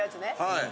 はい。